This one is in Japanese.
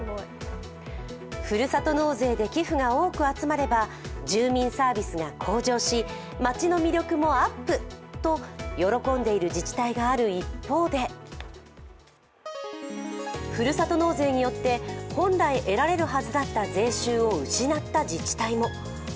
ふるさと納税で寄付が多く集まれば住民サービスが向上し、街の魅力もアップと喜んでいる自治体がある一方でふるさと納税によって本来得られるはずだった税収を失った自治体も。